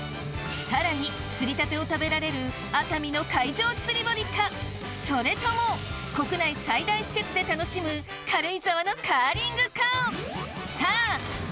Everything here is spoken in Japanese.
さらに釣りたてを食べられる熱海の海上釣り堀かそれとも国内最大施設で楽しむ軽井沢のカーリングか？